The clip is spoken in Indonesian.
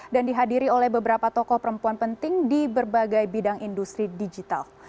dan dihadiri oleh beberapa tokoh perempuan penting di berbagai bidang industri digital